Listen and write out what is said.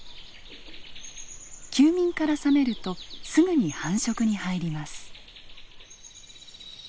休眠から覚めるとすぐに繁殖に入ります。